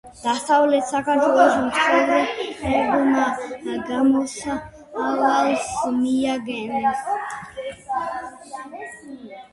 დასავლეთ საქართველოს მცხოვრებლებმა გამოსავალს მიაგნეს.